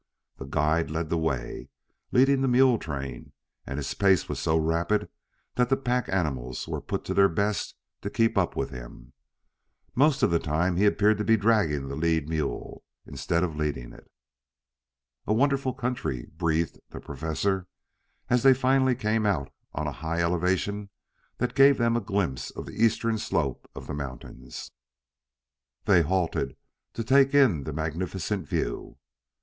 The guide led the way, leading the mule train, and his pace was so rapid that the pack animals were put to their best to keep up with him. Most of the time he appeared to be dragging the led mule, instead of leading it. "A wonderful country," breathed the Professor, as they finally came out on a high elevation that gave them a glimpse of the eastern slope of the mountains. They halted to take in the magnificent view.